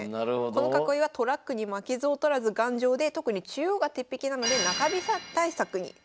この囲いはトラックに負けず劣らず頑丈で特に中央が鉄壁なので中飛車対策に使われます。